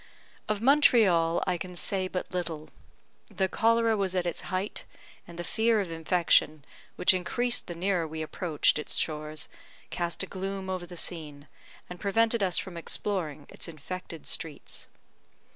Of Montreal I can say but little. The cholera was at its height, and the fear of infection, which increased the nearer we approached its shores, cast a gloom over the scene, and prevented us from exploring its infected streets.